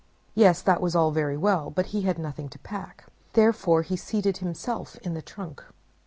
Yes, that was all very well, but he had nothing to pack, therefore he seated himself in the trunk.